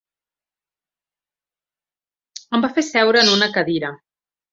Em va fer seure en una cadira